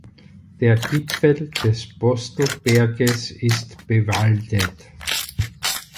Der Gipfel des Postelberges ist bewaldet.